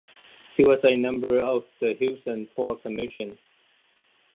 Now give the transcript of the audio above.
He was a member of the Houston Port Commission.